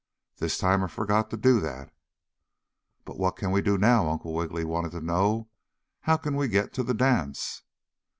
This time I forgot to do that." "But what can we do now?" Uncle Wiggily wanted to know. "How can we get to the dance?"